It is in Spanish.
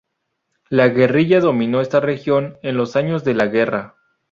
La guerrilla domino esta región en los años de la guerra.